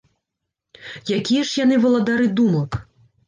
Якія ж яны валадары думак?